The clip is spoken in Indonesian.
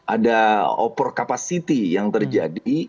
ada over capacity yang terjadi